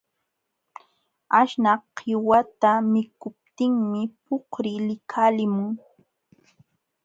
Aśhnaq qiwata mikuptinmi puqri likalimun.